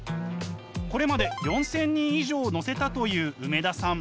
これまで４，０００人以上乗せたという梅田さん。